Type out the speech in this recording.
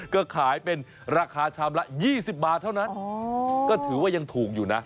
ก็ขายเป็นราคาชามละ๒๐บาทเท่านั้นก็ถือว่ายังถูกอยู่นะ